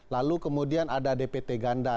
lalu kemudian ada dpt ganda